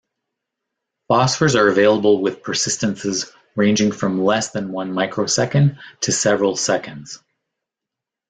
Phosphors are available with persistences ranging from less than one microsecond to several seconds.